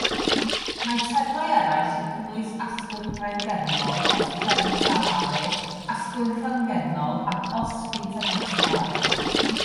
Mae termau eraill yn cynnwys “asgwrn blaengernol”, “os premaxillare”, “asgwrn rhyng-gernol”, ac “os intermaxillare”.